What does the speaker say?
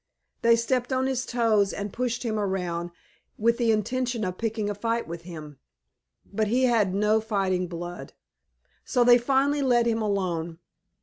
They stepped on his toes and pushed him about with the intention of picking a fight with him, but he had no fighting blood, so they finally let him alone.